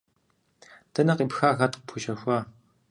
Дэнэ къипха, хэт къыпхуищэхуа?!